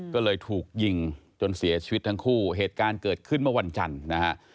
ก็เลยถูกยิงจนเสียชีวิตทั้งคู่เหตุการณ์เกิดขึ้นเมื่อวันจันทร์นะฮะ